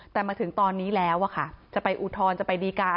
แต่มาถึงตอนนี้แล้วจะไปอุทธรณ์จะไปดีการ